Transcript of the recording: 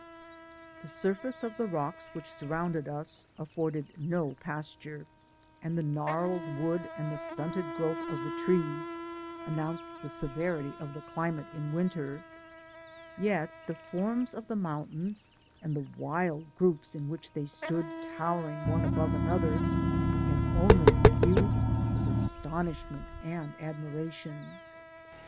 The surface of the rocks which surrounded us afforded no pas ture, and the gnarled wood and the stunted growth of the trees announced the severity of the climate in winter ; yet the forms of the mountains, and the wild groups in which they stood towering one above another, can only be viewed with astonishment and admiration.